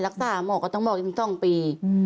รักษาหมอก็ต้องบอกอีก๒ปี